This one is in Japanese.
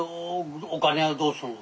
お金はどうするん？